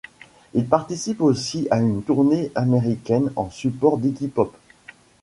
Il participe aussi à une tournée américaine en support d'Iggy Pop.